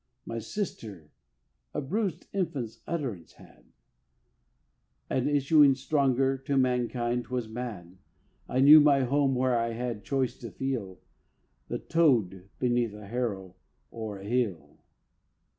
My sister a bruised infant's utterance had; And issuing stronger, to mankind 'twas mad. I knew my home where I had choice to feel The toad beneath a harrow or a heel.